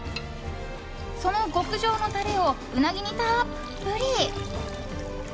その極上のタレをウナギにたっぷり。